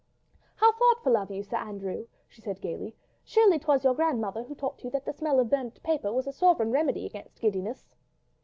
"How thoughtful of you, Sir Andrew," she said gaily, "surely 'twas your grandmother who taught you that the smell of burnt paper was a sovereign remedy against giddiness."